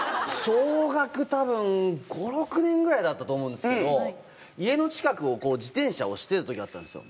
小学５６年ぐらいだったと思うんですけど家の近く自転車押してた時があったんですよ。